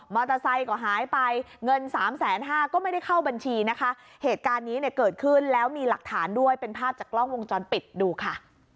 ไซค์ก็หายไปเงินสามแสนห้าก็ไม่ได้เข้าบัญชีนะคะเหตุการณ์นี้เนี่ยเกิดขึ้นแล้วมีหลักฐานด้วยเป็นภาพจากกล้องวงจรปิดดูค่ะ